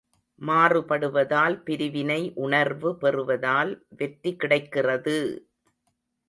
மாறுபடுவதால் பிரிவினை உணர்வு பெறுவதால் வெற்றி கிடைக்கிறது!